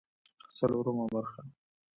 څلورمه برخه